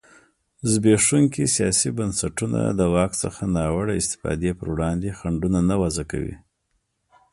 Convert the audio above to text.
زبېښونکي سیاسي بنسټونه د واک څخه ناوړه استفادې پر وړاندې خنډونه نه وضعه کوي.